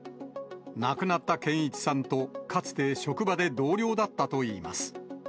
亡くなった健一さんと、かつて職場で同僚だったといいます。